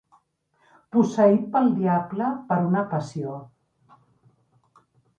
Posseït pel diable, per una passió.